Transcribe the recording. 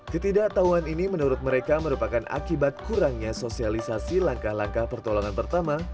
ketidaktahuan ini menurut mereka merupakan akibat kurangnya sosialisasi langkah langkah pertolongan pertama